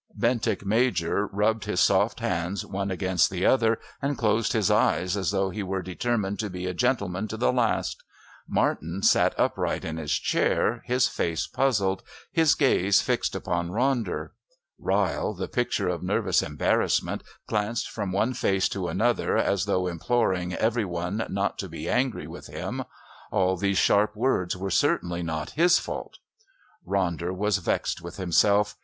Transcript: Bentinck Major rubbed his soft hands one against the other and closed his eyes as though he were determined to be a gentleman to the last; Martin sat upright in his chair, his face puzzled, his gaze fixed upon Ronder; Ryle, the picture of nervous embarrassment, glanced from one face to another, as though imploring every one not to be angry with him all these sharp words were certainly not his fault. Ronder was vexed with himself.